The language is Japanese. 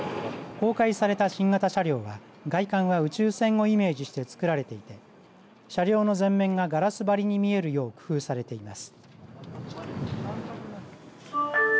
公開された新型車両は外観は宇宙船をイメージしてつくられていて車両の前面がガラス張りに見えるよう工夫されています。